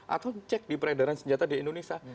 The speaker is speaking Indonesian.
atau cek di peredaran senjata di indonesia